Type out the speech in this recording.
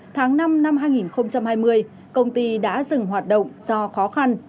tháng năm năm hai nghìn hai mươi công ty đã dừng hoạt động do khó khăn